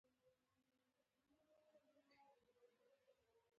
هغوی د کوڅه لاندې د راتلونکي خوبونه یوځای هم وویشل.